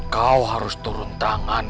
kau harus turun tangan